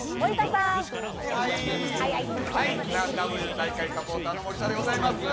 大会サポーターの森田でございます。